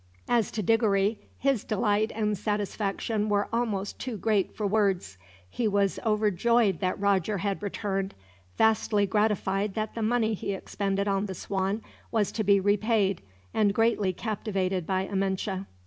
As to Diggory, his delight and satisfaction were almost too great for words. He was overjoyed that Roger had returned, vastly gratified that the money he expended on the Swan was to be repaid, and greatly captivated by Amenche.